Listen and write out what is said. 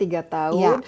iya akan menjadi netral